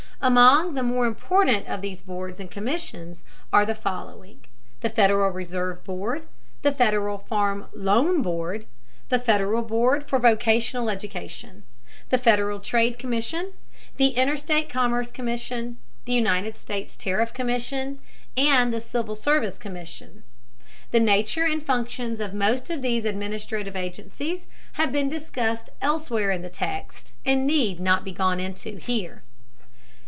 Among the more important of these boards and commissions are the following: The Federal Reserve Board, the Federal Farm Loan Board, the Federal Board for Vocational Education, the Federal Trade Commission, the Interstate Commerce Commission, the United States Tariff Commission, and the Civil Service Commission. The nature and functions of most of these administrative agencies have been discussed elsewhere in the text, and need not be gone into here.